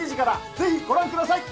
ぜひご覧ください。